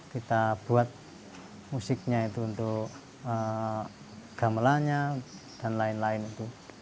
kita buat musiknya itu untuk gamelannya dan lain lain itu